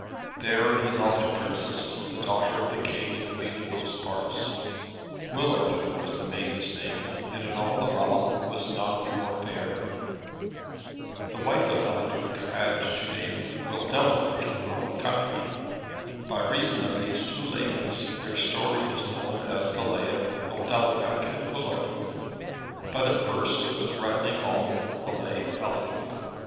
There he loved a Princess, the daughter of the King and Queen of those parts. Guillardun was the maiden's name, and in all the realm was none more fair. The wife of Eliduc had to name, Guildeluec, in her own country. By reason of these two ladies their story is known as the Lay of Guildeluec and Guillardun, but at first it was rightly called the Lay of Eliduc.